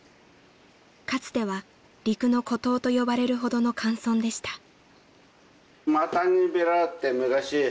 ［かつては陸の孤島と呼ばれるほどの寒村でした］